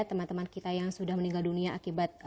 teman teman kita yang sudah meninggal dunia akibat